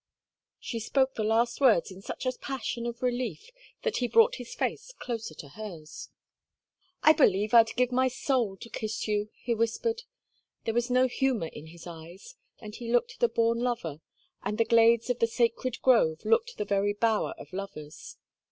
She spoke the last words in such a passion of relief that he brought his face closer to hers. "I believe I'd give my soul to kiss you," he whispered. There was no humor in his eyes, and he looked the born lover; and the glades of the "sacred grove" looked the very bower of lovers.